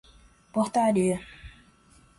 portaria